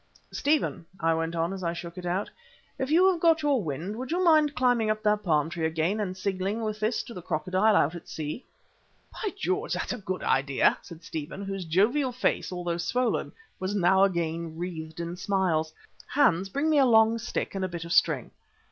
"Stephen," I went on as I shook it out, "if you have got your wind, would you mind climbing up that palm tree again and signalling with this to the Crocodile out at sea?" "By George! that's a good idea," said Stephen, whose jovial face, although swollen, was now again wreathed in smiles. "Hans, bring me a long stick and a bit of string."